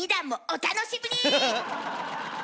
お楽しみに。